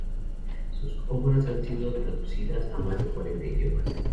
Sus obras han sido traducidas a más de cuarenta idiomas.